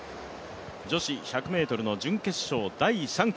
女子１００ｍの準決勝、第３組。